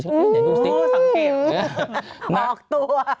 เดี๋ยวดูสิสังเกตหมอกตัว